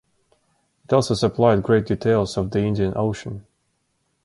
It also supplied great details of the Indian Ocean.